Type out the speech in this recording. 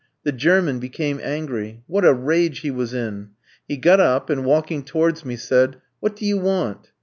The German became angry. What a rage he was in! He got up, and walking towards me, said: "'What do you want?'